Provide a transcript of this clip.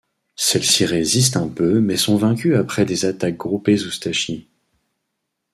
Celles-ci résistent un peu mais sont vaincues après des attaques groupées oustachies.